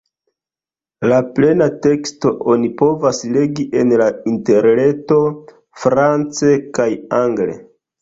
La plena teksto oni povas legi en la Interreto france kaj angle.